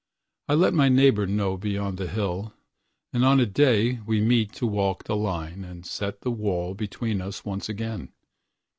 I let my neighbor know beyond the hill; And on a day we meet to walk the lineAnd set the wall between us once again.